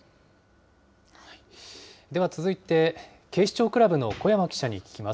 では続いて、警視庁クラブの小山記者に聞きます。